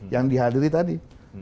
yang dihadiri tadi